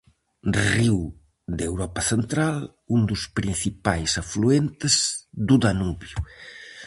Río de Europa Central, un dos principais afluentes do Danubio.